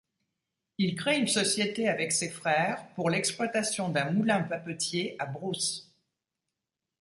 Il crée une société avec ses frères pour l'exploitation d'un moulin papetier à Brousses.